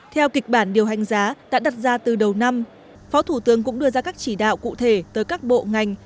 theo kịch bản điều hành giá đã đặt ra từ đầu năm phó thủ tướng cũng đưa ra các chỉ đạo cụ thể tới các bộ ngành